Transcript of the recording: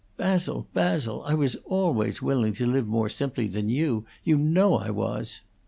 "Basil, Basil! I was always willing to live more simply than you. You know I was!"